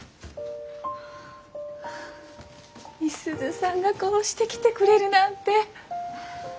美鈴さんがこうして来てくれるなんて！